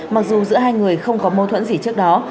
mặc dù giữa hai người không có mâu thuẫn gì trước đó